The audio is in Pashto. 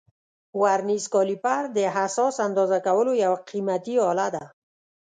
ورنیز کالیپر د حساس اندازه کولو یو قیمتي آله ده.